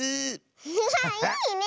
アハハいいね